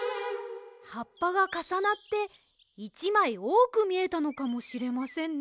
はっぱがかさなって１まいおおくみえたのかもしれませんね。